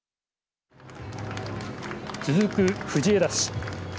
続く、藤枝市。